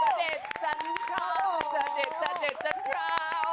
จะเด็ดจันทราจะเด็ดจะเด็ดจันทรา